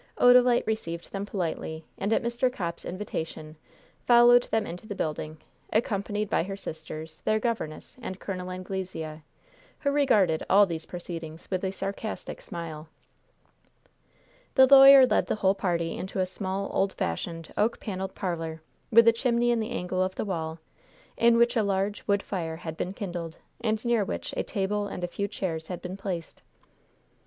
Odalite received them politely, and at Mr. Copp's invitation, followed them into the building, accompanied by her sisters, their governess and Col. Anglesea, who regarded all these proceedings with a sarcastic smile. The lawyer led the whole party into a small, old fashioned, oak paneled parlor, with a chimney in the angle of the wall, in which a large, wood fire had been kindled, and near which a table and a few chairs had been placed.